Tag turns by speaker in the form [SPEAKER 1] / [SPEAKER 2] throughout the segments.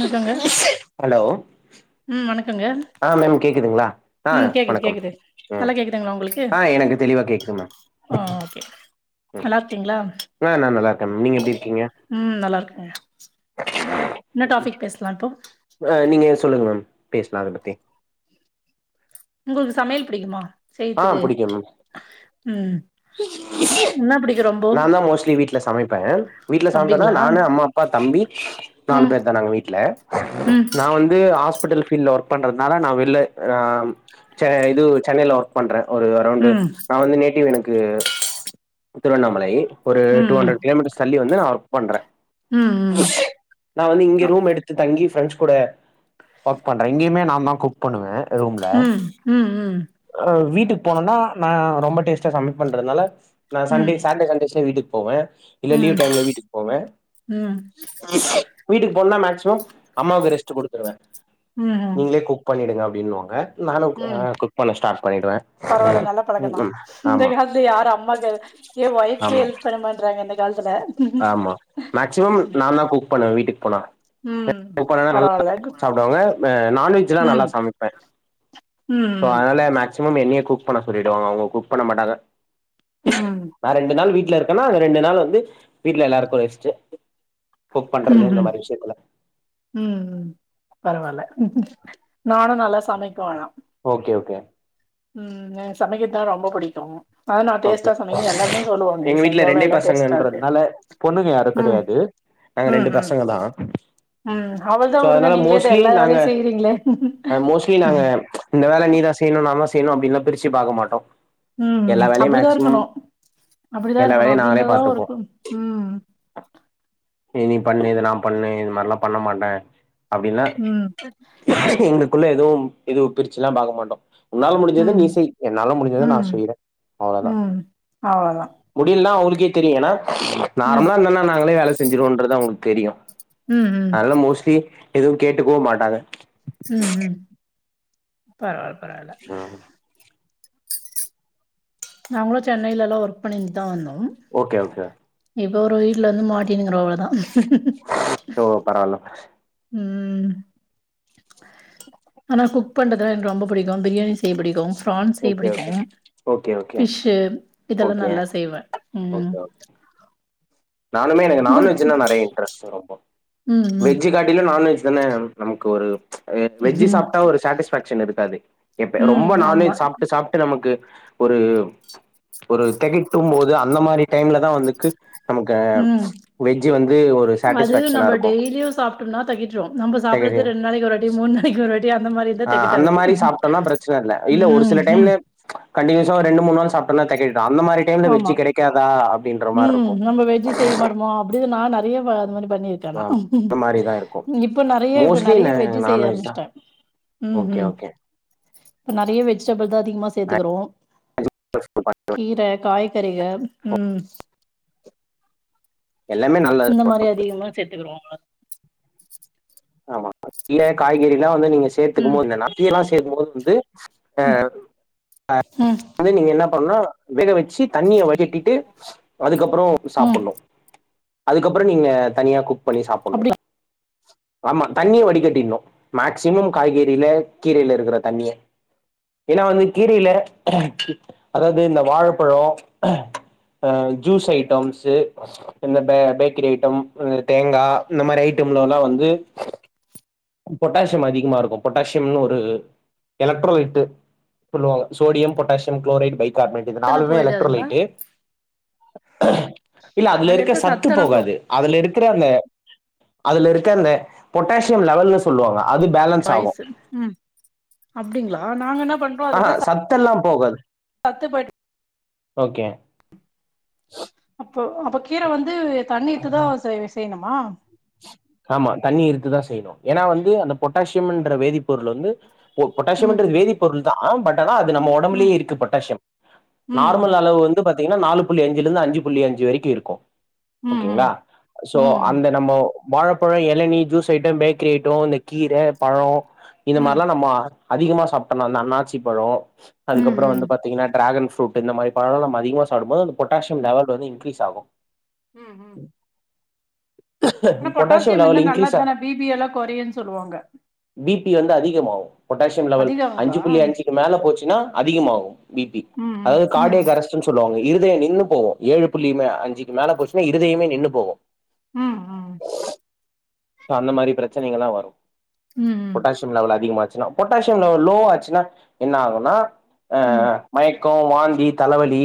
[SPEAKER 1] வணக்கங்க உம் வணக்.
[SPEAKER 2] ஆஹ மேம் கேக்குதுங்களா ஆஹ
[SPEAKER 1] கேக்குது
[SPEAKER 2] வணக்கம்
[SPEAKER 1] கேக்குது
[SPEAKER 2] உஹம்
[SPEAKER 1] நல்லா கேக்குதுங்களா உங்களுக்கு
[SPEAKER 2] ஆஹ எனக்கு தெளிவா கேக்குது மேம்.
[SPEAKER 1] ஆ ஓகே நல்லா இருக்கீங்களா
[SPEAKER 2] ஆஹ நான் நல்லா இருக்க நீங்க எப்படி இருக்கீங்க.
[SPEAKER 1] ம் நல்லா இருக்கேங்க என்ன டாபிக் பேசலா இப்போ.
[SPEAKER 2] ஆ நீங்க சொல்லுங்க மேம் பேசலா அத பத்தி.
[SPEAKER 1] உங்களுக்கு சமையல் புடிக்குமா. செய்துக்கு உம்.
[SPEAKER 2] இச்சு. நாதா மோஸ்ட்லி வீட்டுல சமைப்ப வீட்டுல சமைப்பேன்னா
[SPEAKER 1] அப்டிங்களா
[SPEAKER 2] நானு, அம்மா, அப்பா, தம்பி நாலு
[SPEAKER 1] ம்
[SPEAKER 2] பேர்தா நாங்க வீட்ல
[SPEAKER 1] ம்
[SPEAKER 2] நா வந்து. ஹாஸ்பிடல் பீல்டுல ஒர்க் பண்றதுனால நா வெளில இது சென்னைல ஒர்க் பண்ற. ஒரு அரௌண்டு
[SPEAKER 1] ம்
[SPEAKER 2] நா வந்து நேட்டிவ் எனக். க்கு. திருவண்ணாமலை. ஒரு
[SPEAKER 1] ம்
[SPEAKER 2] டூ ஹண்ட்ரெட் கிலோமீட்டர்ஸ் தள்ளி வந்து நா ஒர்க். பண்ற.
[SPEAKER 1] ம் ம் ம்
[SPEAKER 2] ஆச்சு. நா வந்து இங்க
[SPEAKER 1] அ,
[SPEAKER 2] ரூம் எடுத்து தங்கி. ஃப்ரெண்ட்ஸ் கூட ஒர்க் பண்ற. இங்கயுமே நாதா குக் பண்ணுவ.
[SPEAKER 1] உம் உம்ம்.
[SPEAKER 2] அஹ வீட்டுக்கு போனோன்னா நா ரொம்ப டேஸ்ட்டா சமபண்றதுனால. நா சண்டே சாட்டர்டே சண்டேஸ்ல வீட்டுக்கு போவ. இல்ல
[SPEAKER 1] ம்
[SPEAKER 2] லீவ் டைம்ல வீட்டுக்கு போவ
[SPEAKER 1] ம்
[SPEAKER 2] இச்சு வீட்டுக்கு போனேன்னா மேக்ஸிமம் அம்மாவுக்கு ரெஸ்ட் குடுத்துருவ.
[SPEAKER 1] ம்
[SPEAKER 2] நீங்களே குக் பண்ணிடுங்க. அப்புடின்னுவாங்க. நானு அ குக். ஸ்டார்ட் பண்ணிடுவே
[SPEAKER 1] பரவாயில்ல நல்ல பழக்கந்தா.
[SPEAKER 2] ம்
[SPEAKER 1] இந்த
[SPEAKER 2] ஆமா
[SPEAKER 1] காலத்துல யாரு அம்மாக்கு ஏ ஒய்ஃபுக்கே
[SPEAKER 2] ஆமா
[SPEAKER 1] ஹெல்ப் பண்ணமாட்றாங்க இந்த கா.
[SPEAKER 2] ஆமா. மேக்ஸிமம் நாதா குக் பண்ணுவ வீட்டுக்.
[SPEAKER 1] ம்
[SPEAKER 2] போல நல்லா
[SPEAKER 1] பரவால்ல
[SPEAKER 2] சாப்பிடுவாங்க நான்வெஜ்ல்லாம் நல்லா
[SPEAKER 1] ம்
[SPEAKER 2] சமைப்பேன்
[SPEAKER 1] ம்
[SPEAKER 2] அதுனால மேக்சிமம் என்னைய குக் பண்ண சொல்லிடுவாங்க அவங்க குக் பண்ண மாட்டாங்க
[SPEAKER 1] ம் ம்
[SPEAKER 2] நா ரெண்டு நாள் வீட் வீட்டுல இருக்கன்னா அந்த ரெண்டு நாள் வந்து வீட்டுல எல்லாருக்கும் ரெஸ்ட் குக்
[SPEAKER 1] உம்
[SPEAKER 2] பண்றது இந்த
[SPEAKER 1] உம்
[SPEAKER 2] மாரி விஷயத்துல
[SPEAKER 1] உம் உம் பரவால நானும் நல்லா சமைப்போ ஆனா
[SPEAKER 2] ஓகே ஓகே
[SPEAKER 1] உம் சமைக்கிறது தான் ரொம்ப புடிக்கும்
[SPEAKER 2] ஓகே எங்க
[SPEAKER 1] இது செஞ்ச
[SPEAKER 2] வீட்டுல
[SPEAKER 1] அவ்ளோ
[SPEAKER 2] ரெண்டே
[SPEAKER 1] எல்லா டேஸ்ட்டா இருக்கு
[SPEAKER 2] பசங்கன்றதுனால பொண்ணுங்க யாரும்
[SPEAKER 1] ம்
[SPEAKER 2] கிடையாது நாங்க
[SPEAKER 1] ம்
[SPEAKER 2] ரெண்டு
[SPEAKER 1] ம்
[SPEAKER 2] பசங்க தா
[SPEAKER 1] ம் அவ்ளதா
[SPEAKER 2] சோ
[SPEAKER 1] வுடுங்க
[SPEAKER 2] அதுனால
[SPEAKER 1] நீங்களே இது
[SPEAKER 2] மோஸ்ட்லி
[SPEAKER 1] எல்லா
[SPEAKER 2] நாங்க
[SPEAKER 1] வேலையு செய்றீங்களே
[SPEAKER 2] மோஸ்ட்லி நாங்க இந்த வேலை நீதான் செய்யணும் நா தான் செய்யனு அப்டில்லாம் பிரிச்சு பாக்க மாட்டோம்
[SPEAKER 1] உம் அப்புடிதான் இருக்கணும் அப்புடிதான்
[SPEAKER 2] எல்லா
[SPEAKER 1] இருக்கணும்
[SPEAKER 2] வேலையு நாங்களே
[SPEAKER 1] அப்படின்றதான் ஒரு
[SPEAKER 2] பாத்துப்போ
[SPEAKER 1] உம்
[SPEAKER 2] நீ பண்ணு இது நான் பண்ணு இது மாரிலாம் பண்ண மாட்டே அப்படின்னா
[SPEAKER 1] ம்
[SPEAKER 2] எங்க உள்ள எதுவும் இது பிரிச்சு எல்லாம் பாக்கமாட்டோம் உன்னால முடிஞ்சத
[SPEAKER 1] ம்
[SPEAKER 2] நீ செய் என்னால முடிஞ்சத நான்
[SPEAKER 1] ம்
[SPEAKER 2] செய்றேன் அவளதான்
[SPEAKER 1] ம் அவ்ளதா
[SPEAKER 2] முடியலனா அவளுக்கு இங்கே தெரியன
[SPEAKER 1] ம்
[SPEAKER 2] நார்மலா இருந்தன்னா நாங்களே அழச் செஞ்சிருவோன்றது அவங்களுக்கு தெரியும்
[SPEAKER 1] ம் ம்
[SPEAKER 2] அதனால மோஸ்டி எதுவும் கேட்டுக்கவும் மாட்டாங்க
[SPEAKER 1] உம் உம் பரவால்ல பரவால்ல
[SPEAKER 2] ஆஹ்
[SPEAKER 1] நாங்களும் சென்னையில எல்லாம் ஒர்க் பண்ணிட்டுதான் வந்தோம்
[SPEAKER 2] ஓகே ஓகே
[SPEAKER 1] இப்ப ஒரு வீட்டுல இருந்து மாடி ங்கர அவ்ளவுதான்
[SPEAKER 2] ஓ பரவால்ல
[SPEAKER 1] உம் ஆனா குக் பண்றதுல்லா எனக்கு ரொம்ப பிடிக்கும் பிரியாணி செய்ய பிடிக்கும் பிரான் செய்ய
[SPEAKER 2] ஓகே ஓகே
[SPEAKER 1] பிடிக்கும்
[SPEAKER 2] ஓகே ஓகே
[SPEAKER 1] ஃபிஷ் இதெல்லாம்
[SPEAKER 2] ஓகே
[SPEAKER 1] நல்லா செய்வேன் உம்
[SPEAKER 2] ஓகே ஓகே நானுமே எனக்கு நான்வெஜ்ன்னா நிறைய இன்ட்ரெஸ்ட் ரொம்ப
[SPEAKER 1] ம் ம்
[SPEAKER 2] வெஜ் காடிளும் நான்வெஜ் தானே நமக்கு ஒரு வெஜ்
[SPEAKER 1] ம்
[SPEAKER 2] சாப்டா ஒரு சாட்டிஸ்ஃபேக்ஷன் இருக்காது எப்ப
[SPEAKER 1] ம்
[SPEAKER 2] ரொம்ப
[SPEAKER 1] ஆமா
[SPEAKER 2] நான்வெஜ் சாப்டு சாப்டு நமக்கு ஒரு ஒரு தெகட்டும் போது அந்த மாரி டைம்லதா வந்துக்கு. நமக்கு
[SPEAKER 1] உம்
[SPEAKER 2] வெஜ்ஜு வந்து ஒரு
[SPEAKER 1] அது
[SPEAKER 2] சாட்டிஸ்ஃபேக்ஷனா
[SPEAKER 1] நம்ம
[SPEAKER 2] இருக்கு
[SPEAKER 1] டெய்லியும் சாப்டோம்னா தெகட்டிரு நம்ம சாப்பிடுறது ரெண்டு நாளைக்கு ஒருவாட்டி மூணு நாளைக்கு ஒருவாட்டி.
[SPEAKER 2] ஆஹ அந்த மாரி சாப்பிட்டோம்னா பிரச்சன இல்ல இல்ல ஒரு
[SPEAKER 1] ம்
[SPEAKER 2] சில
[SPEAKER 1] ம்
[SPEAKER 2] டைம்ல கண்டினியூஸ்ஸா ரெண்டு மூணு நாள் சாப். நல்லா தெகட்டி. அந்த மாரி டைம்ல வெஜ் கெடைக்காதா. அப்டின்ற மாரி
[SPEAKER 1] உம்
[SPEAKER 2] இருக்கும்
[SPEAKER 1] நம்ம வெஜ்ஜி செய்ய மாட்டோமா அப். து நா நெறைய அது மாரி. பண்ணிருக்க நா
[SPEAKER 2] ஆமா
[SPEAKER 1] உஹேஹ.
[SPEAKER 2] அந்த மாரிதான் இருக்கும்
[SPEAKER 1] இப்ப நறைய இப்ப
[SPEAKER 2] மோஸ்ட்லி
[SPEAKER 1] நறைய
[SPEAKER 2] நா
[SPEAKER 1] வெஜ் செய்ய
[SPEAKER 2] நான்வெஜ் தான்
[SPEAKER 1] ஆரம்பிச்சிட்ட
[SPEAKER 2] ஓகே
[SPEAKER 1] உம்ம்.
[SPEAKER 2] ஓகே
[SPEAKER 1] இப்ப நறைய வெஜிடபிள்தா அதிகமா சேத்துக்குறோ. கீர, காய்கறிக உம்.
[SPEAKER 2] எல்லாமே நல்லது
[SPEAKER 1] இந்த மாரி அதிகமா சேத்துக்குறோங்கள.
[SPEAKER 2] ஆமா கீர, காய்கறில்லா. நீங்க சேர்த்துக்கு
[SPEAKER 1] ம்
[SPEAKER 2] போது என்னன்னா. [unintelligible] போது வந்து.
[SPEAKER 1] ம்
[SPEAKER 2] ஆஹ.
[SPEAKER 1] ம்
[SPEAKER 2] அத நீங்க என்னப். பண்ணு வேக வச். ச்சி தண்ணிய வடிகட்டிட்டு. அதுக்கப். கப்புறோ
[SPEAKER 1] ம்
[SPEAKER 2] சாப்டணு. அதுக்கப்புறோ நீங்க தனியா குக். குக் பண்ணி சாப்டணு.
[SPEAKER 1] அப்டி
[SPEAKER 2] ஆமா தண்ணிய வடிக்கட்டிடணு. மேக்சிமம் காய்கறில கீரையில இருக்கிற தண்ணிய. ஏன்னா வந்து கீரையில. அதாவது இந்த வாழப்பழோ ஹ ஜூஸ் ஐட்டம்ஸு இந்த பே பேக்கரி ஐட்டம் இந்த தேங்கா இந்த மாரி ஐட்டமுலலாம் வந்து. பொட்டாசியம் அதிகமா இருக்கு பொட்டாசியம்னு ஒரு எலக்ட்ரோலைட்டு சொல்லுவாங்க சோடியம், பொட்டாசியம், குளோரைடு, பைத். கார்மென்ட் இது
[SPEAKER 1] சத்தெல்லா
[SPEAKER 2] நாலுமே
[SPEAKER 1] போயிடாதுங்களா
[SPEAKER 2] எலக்ட்ரோலைட்டு. ஹ இல்ல அதுல இருக்க சத்து போகாது அதுல இருக். இருக்குற அந்த அதுல இருக்கந்த பொட்டாசியம்ல. வெவல்னு சொல்லுவாங்க.
[SPEAKER 1] வயசு உம் அப்டிங்களா. ஆ நாங்க என்னப்.
[SPEAKER 2] ஆஹா சத்தெல்லாம். போகாது.
[SPEAKER 1] அத்துபடி.
[SPEAKER 2] ஓகே
[SPEAKER 1] அப்போ அவ கீரை வந்து தண்ணித்துதா செய்வ செய்யணு மா
[SPEAKER 2] ஆமா தண்ணி இருக்குதா செய்யணும் ஏன்னா வந்து அந்த பொட்டாசியம்ன்ற வேதிப்பொருள் வந்து பொ
[SPEAKER 1] ம்
[SPEAKER 2] பொட்டாசியம்ன்றது வேதிப் பொருள்தா ஆனா பட் ஆனா அது நம்ம
[SPEAKER 1] ம்
[SPEAKER 2] ஒடம்புலேயே இருக்கு பொட்டாசியம்
[SPEAKER 1] ம்
[SPEAKER 2] நார்மல் அளவு வந்து பாத் தீங்கனா நாலு புள்ளி அஞ்சுல இருந்து அஞ்சு புள்ளி அஞ்சு வரைக்கு இருக்கு
[SPEAKER 1] ம் ம்
[SPEAKER 2] ஓகேங்களா சோ
[SPEAKER 1] ம்
[SPEAKER 2] அந்த நம்ம வாழப்பழோ எளநி ஜூஸ் ஐட்டோ பேக்கரி ஐட்டோ இந்த கீரே பழோ இந்த
[SPEAKER 1] ம்
[SPEAKER 2] மாரிலா நம்ம அதிகமா சாப்ட்டனா இந்த அன்னாச்சி பழோ
[SPEAKER 1] ம்
[SPEAKER 2] அதுக்கப்புறோ
[SPEAKER 1] ம்
[SPEAKER 2] வந்து பாத்தீங்கன்னா டிராகன் ஃப் ரூட் இந்த மாரி பழோலா நம்ம அதிகமா சாப்டும்போது அந்த பொட்டாசியம் லெவல் வந்து இன்கிரீஸ் ஆகு
[SPEAKER 1] உம் உம் ஆனா பொட்டாசியம் வந்து
[SPEAKER 2] லெவல் இன்க்ரீஸ்
[SPEAKER 1] நல்லதுதான பி பி எல்லா கொறையுன்னு சொல்லுவாங்க
[SPEAKER 2] பி பி வந்து அதிகமாகு பொட்டாசியம் லெவல் அஞ்சு
[SPEAKER 1] அதிகங்களா
[SPEAKER 2] புள்ளி அஞ்சுக்கு மேல போச்சுன்னா அதிகமாகு பி பி
[SPEAKER 1] ம்
[SPEAKER 2] அதாவது
[SPEAKER 1] ம்
[SPEAKER 2] கார்டியாக் அரெஸ்ட்னு சொல்லுவாங்க இரு தயோ நின்னு போகு ஏழு புள்ளி மே அஞ்சுக்கு மேல போச்சுன்னா இருதயமே நின்னு போகு
[SPEAKER 1] ம் ம்
[SPEAKER 2] சோ அந்த மாரி பிரச்சனைகள்லா வரு
[SPEAKER 1] ம்
[SPEAKER 2] பொட்டாசியம் லெவல் அதிகமா ச்சுன்னா பொட்டாசியம் லெவல் லோ ஆச்சுன்னா என்ன ஆகுன்னா ஆ
[SPEAKER 1] ம்
[SPEAKER 2] மயக் கோ வாந்தி தலவலி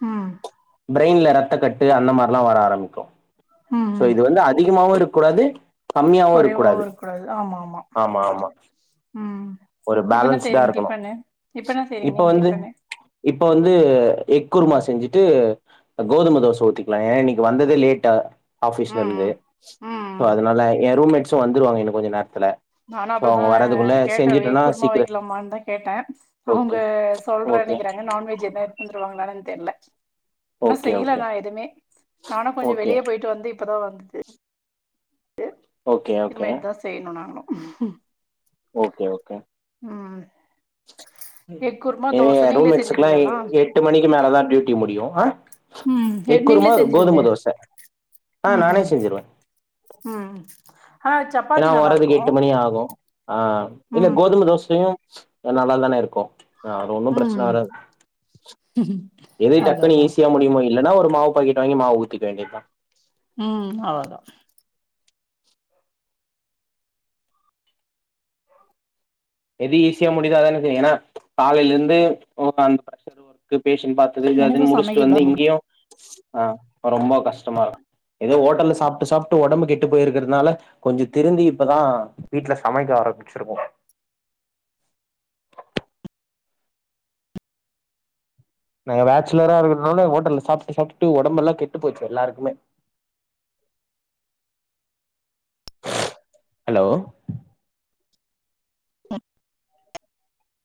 [SPEAKER 1] ஹும்
[SPEAKER 2] பிரெயின்ல ரத்த கட்டு அந்த மாரிலா வர ஆரம்பிக்கு சோ
[SPEAKER 1] ம்
[SPEAKER 2] இது வந்து அதிகமாவு இருக் க்கூடாது
[SPEAKER 1] கொறைவாவு இருக்கூடாது ஆமா ஆமா உம்
[SPEAKER 2] ஒரு
[SPEAKER 1] இப்ப என்ன
[SPEAKER 2] பேலன்ஸ்டா
[SPEAKER 1] செய்றீங்க
[SPEAKER 2] இருக்கணு
[SPEAKER 1] டிஃபன்னு இப்ப என்ன செய்றீங்க
[SPEAKER 2] இப்ப
[SPEAKER 1] நீங்க
[SPEAKER 2] வந்து
[SPEAKER 1] டிஃபன்னு
[SPEAKER 2] இப்ப வந்து எக் குருமா செஞ்சுட்டு ஆ கோதும தோசை ஊத்திக்கலாங்க ஏன்னா இன்னக்கி வந்ததே லேட்டு ஆஃபீஸ்ல
[SPEAKER 1] ம்
[SPEAKER 2] இருந்து
[SPEAKER 1] ம் ம்
[SPEAKER 2] அதனால என் ரூம்மெட்சும் வந்துருவாங்க கொஞ்ச நேர
[SPEAKER 1] நானும் அப்படிதான் கேட்டேன் எக்
[SPEAKER 2] செஞ்சுட்டோனா
[SPEAKER 1] குர்மா
[SPEAKER 2] சீக்கிர
[SPEAKER 1] வைக்கலாம்மான்னு தான் கேட்டேன் அவங்க
[SPEAKER 2] ஓகே
[SPEAKER 1] சொல்றே
[SPEAKER 2] ஓகே
[SPEAKER 1] க்கிறாங்க நான்வெஜ் எதனா எடுத்து வந்துருவாங்க பார தெர்ல இன்னும்
[SPEAKER 2] ஓகே
[SPEAKER 1] செய்யல
[SPEAKER 2] ஓகே
[SPEAKER 1] நான் எதுவுமே நானும் கொஞ்சம்
[SPEAKER 2] ஓகே
[SPEAKER 1] வெளியே போயிட்டு வந்து அப்பதான் வந்து
[SPEAKER 2] ஓகே
[SPEAKER 1] இது
[SPEAKER 2] ஓகே
[SPEAKER 1] மாதிரி தான் செய்யணும் நாங்களும் உ
[SPEAKER 2] okay okay
[SPEAKER 1] egg kurma dosa
[SPEAKER 2] என்
[SPEAKER 1] நீங்களே
[SPEAKER 2] ரூம்மேட்ஸுக்கு எல்லாம்
[SPEAKER 1] செஞ்சிருவீங்களாதா
[SPEAKER 2] எட்டு மணிக்கு மேலதான் டியூட்டி முடியும் ஆஹ்
[SPEAKER 1] ம் நீங்களே
[SPEAKER 2] எக்குருமா
[SPEAKER 1] செஞ்சிருவீங்க
[SPEAKER 2] கோதுமை தோசை ஆஹ் நானே செஞ்சிருவேன்
[SPEAKER 1] உம்
[SPEAKER 2] ஏன்னா வர்றதுக்கு எட்டு மணி ஆகும் ஆ இல்லை
[SPEAKER 1] ம்
[SPEAKER 2] கோதுமை தோசையும் நல்லா தானே இருக்கும் ஆஹ் அது ஒன்னும் பிரச்சனை
[SPEAKER 1] ம்
[SPEAKER 2] வராது எத
[SPEAKER 1] அதா
[SPEAKER 2] டக்குன்னு
[SPEAKER 1] அதா
[SPEAKER 2] ஈஸியா முடியுமோ இல்லன்னா மாவு பாக்கெட் வாங்கி மாவு ஊத்திக்க வேண்டியதுதான்
[SPEAKER 1] உம் அவ்லோதா
[SPEAKER 2] எது ஈஸியா முடியுதே அதான ஏனா காலைல இருந்து உக்கான் இருக்கேன் பேசட் பாத்தது அது
[SPEAKER 1] எனக்கு
[SPEAKER 2] இதுன்னு முடிச்சுட்டு
[SPEAKER 1] சமைக்கதா
[SPEAKER 2] வந்து
[SPEAKER 1] ரொம்ப
[SPEAKER 2] இங்கேயும் ஆஹ் ரொம்ப கஷ்டமா இருக்கும் ஏதோ ஹோட்டல்ல சாப்பிட்டு சாப்பிட்டு உடம்பு கெட்டு போயிருக்கிறதுனால கொஞ்சம் திருந்தி இப்பதான் வீட்டுல சமைக்க ஆரம்பிச்சிருக்கோம் நாங்க பேச்சுலரா இருக்கிறதுனால ஹோட்டல்ல சாப்ட்டு சாப்ட்டு உடம்பெ ல்லாம் கெட்டு போச்சு எல்லாருக்குமே ஹலோ